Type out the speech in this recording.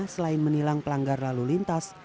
selain menilang pelanggar lalu lintas